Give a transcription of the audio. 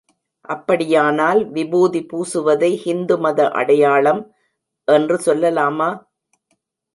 அப்படியானால் விபூதி பூசுவதை ஹிந்து மத அடையாளம் என்று சொல்லலாமா?